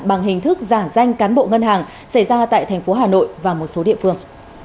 bằng hình thức giả danh cán bộ ngân hàng xảy ra tại thành phố hà nội và một số địa phương